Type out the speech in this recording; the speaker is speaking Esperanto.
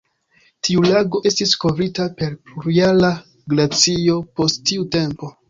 Tiu lago estis kovrita per plurjara glacio post tiu tempo.